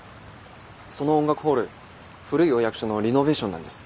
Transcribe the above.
その音楽ホール古いお役所のリノベーションなんです。